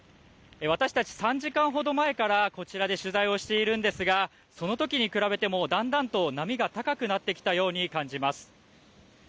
私たち３時間ほど前から、こちらで取材をしているんですが、そのときに比べても、だんだんと波が高くなってきたように感じます。